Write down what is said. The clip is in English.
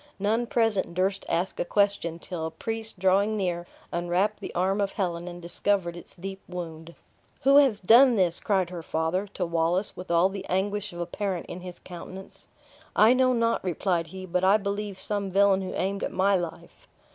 None present durst ask a question, till a priest drawing near, unwrapped the arm of Helen, and discovered its deep wound. "Who has done this?" cried her father, to Wallace, with all the anguish of a parent in his countenance. "I know not," replied he; "but I believe, some villain who aimed at my life."